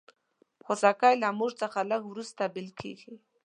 خوسکی له مور څخه لږ وروسته بېل کېږي.